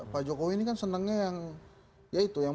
pak jokowi ini kan senangnya yang